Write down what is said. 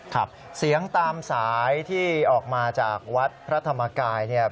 ครับเสียงตามสายที่ออกมาจากวัดพระธรรมกายเนี่ย